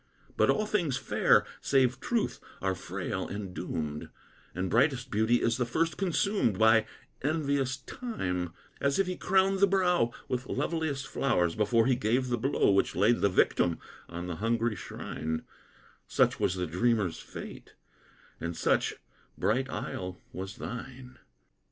But all things fair, save truth, are frail and doomed; And brightest beauty is the first consumed By envious Time; as if he crowned the brow With loveliest flowers, before he gave the blow Which laid the victim on the hungry shrine: Such was the dreamer's fate, and such, bright isle, was thine.